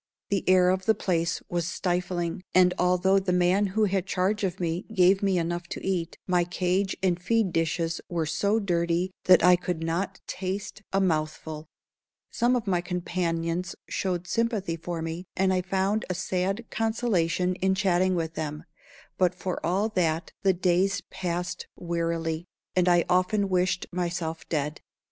The air of the place was stifling, and although the man who had charge of me gave me enough to eat, my cage and feed dishes were so dirty that I could not taste a mouthful. Some of my companions showed sympathy for me, and I found a sad consolation in chatting with them; but for all that, the days passed wearily, and I often wished myself dead.